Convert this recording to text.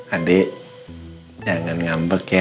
adik jangan ngambek ya